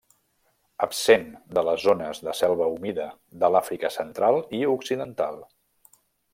Absent de les zones de selva humida de l'Àfrica Central i Occidental.